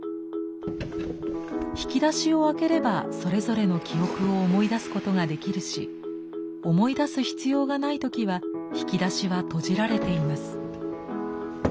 引き出しを開ければそれぞれの記憶を思い出すことができるし思い出す必要がない時は引き出しは閉じられています。